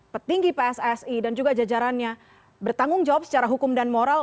petinggi pssi dan juga jajarannya bertanggung jawab secara hukum dan moral